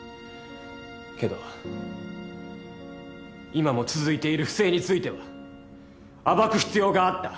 けど今も続いている不正については暴く必要があった。